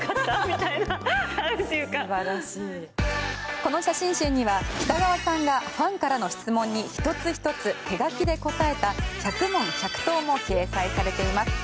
この写真集には北川さんがファンからの質問に一つ一つ手書きで答えた１００問１００答も掲載されています。